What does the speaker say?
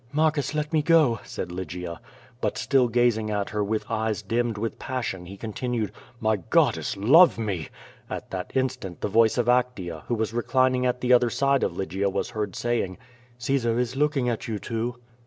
*' '^Marcus, let me go, said Lygia. But still gazing at her with eyes dimmed with passion, he continued: My goddess, love me —^* At that instant the voice of Actea, who was reclining at the other side of Lygia, was heard saying: '^Caesar is looking at you two.